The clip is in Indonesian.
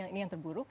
ini yang terburuk